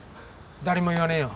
誰にも言わねえよ。